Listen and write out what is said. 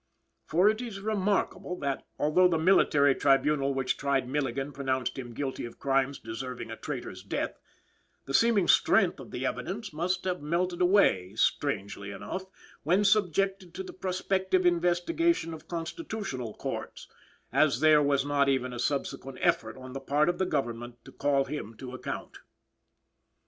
For it is remarkable that although the Military tribunal which tried Milligan pronounced him guilty of crimes deserving a traitor's death; the seeming strength of the evidence must have melted away, strangely enough, when subjected to the prospective investigation of constitutional courts, as there was not even a subsequent effort on the part of the Government to call him to account.